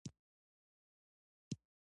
موږ جومات ته روان يو